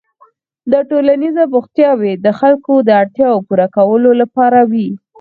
دا ټولنیز بوختیاوې د خلکو د اړتیاوو پوره کولو لپاره وې.